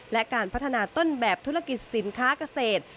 และการพัฒนาต้นแบบธุรกิจสินค้าเกษตร